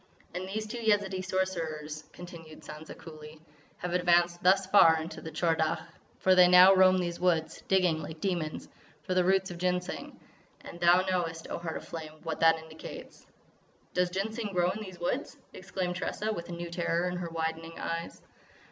"And these two Yezidee Sorcerers," continued Sansa coolly, "have advanced thus far in the Tchor Dagh; for they now roam these woods, digging like demons, for the roots of Ginseng; and thou knowest, O Heart of Flame, what that indicates." "Does Ginseng grow in these woods!" exclaimed Tressa with a new terror in her widening eyes.